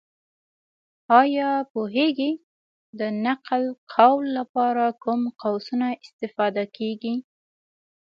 ایا پوهېږې! د نقل قول لپاره کوم قوسونه استفاده کېږي؟